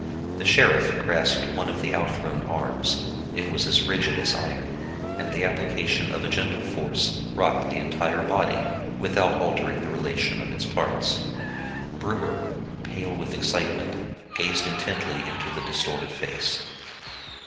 The sheriff grasped one of the outthrown arms; it was as rigid as iron, and the application of a gentle force rocked the entire body without altering the relation of its parts. Brewer, pale with excitement, gazed intently into the distorted face.